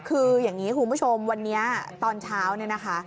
คืออย่างนี้คุณผู้ชมวันนี้ตอนเช้าเนี่ยนะคะ